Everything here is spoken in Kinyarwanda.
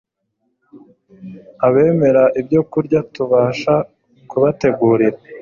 abemera ibyokurya tubasha kubategurira